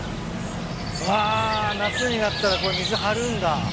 あ夏になったらこれ水張るんだ。